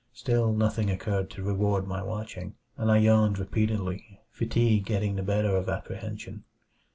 Still nothing occurred to reward my watching; and I yawned repeatedly, fatigue getting the better of apprehension.